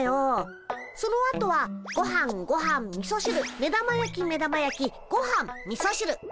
そのあとはごはんごはんみそしる目玉焼き目玉焼きごはんみそしる。